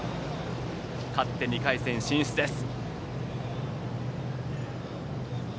勝って２回戦進出です。